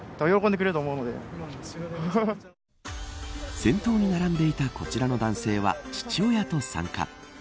先頭に並んでいたこちらの男性は父親と参加。